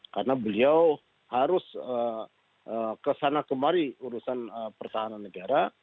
karena beliau harus kesana kemari urusan pertahanan negara